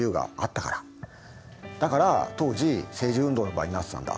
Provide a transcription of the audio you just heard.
だから当時政治運動の場になってたんだ。